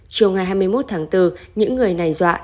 chiều ngày hai mươi một tháng bốn những người này dọa